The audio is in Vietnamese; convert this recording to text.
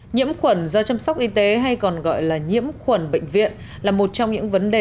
nhiễm khuẩn do chăm sóc y tế hay còn gọi là nhiễm khuẩn bệnh viện là một trong những vấn đề